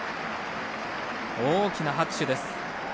大きな拍手です。